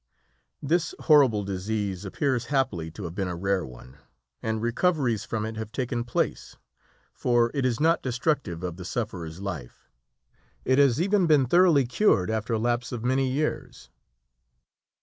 Ecl. vi. 48. This horrible disease appears happily to have been a rare one, and recoveries from it have taken place, for it is not destructive of the sufferer's life. It has even been thoroughly cured after a lapse of many years.